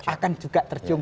akan juga terjiuh